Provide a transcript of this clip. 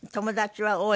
はい。